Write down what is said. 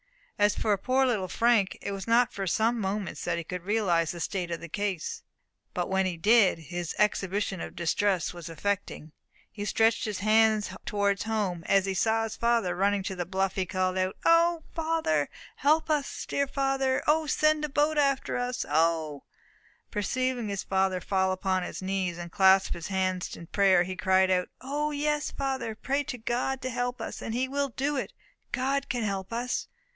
As for poor little Frank, it was not for some moments that he could realize the state of the case; but when he did, his exhibition of distress was affecting. He stretched his hands towards home; and as he saw his father running to the bluff, he called out, "O, father, help us dear father! O send a boat after us! O !" Perceiving his father fall upon his knees and clasp his hands in prayer, he cried out, "O, yes, father, pray to God to help us, and he will do it God can help us!"